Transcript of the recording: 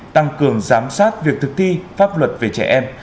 tăng cường giám sát việc thực thi pháp luật về trẻ em